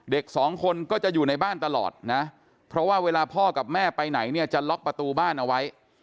เด็กสองคนก็จะอยู่ในบ้านตลอดนะเพราะว่าเวลาพ่อกับแม่ไปไหนเนี่ยจะล็อกประตูบ้านเอาไว้